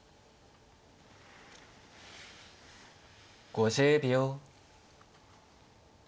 ５０秒。